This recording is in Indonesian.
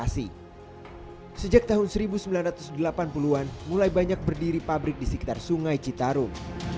sejak tahun seribu sembilan ratus delapan puluh an mulai banyak berdiri pabrik di sekitar sungai citarum